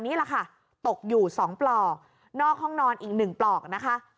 นี่แหละค่ะตกอยู่๒ปลอกนอกห้องนอนอีก๑ปลอกนะคะ